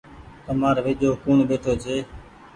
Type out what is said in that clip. تمآر ويجهو ڪوڻ ٻيٺو ڇي۔